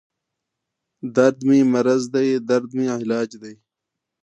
دردمې مرض دی دردمې علاج دی